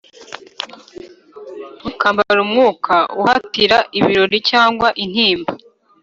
ntukambare umwuka uhatira ibirori cyangwa intimba.